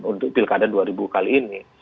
untuk pilkada dua ribu kali ini